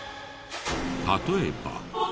例えば。